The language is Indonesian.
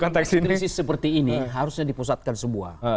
kalau dalam kondisi krisis seperti ini harusnya dipusatkan sebuah